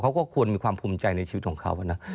เขาก็ควรมีความภูมิใจในชีวิตของเขานะ